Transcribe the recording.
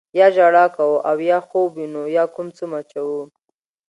یا ژړا کوو او یا خوب وینو یا کوم څه مچوو.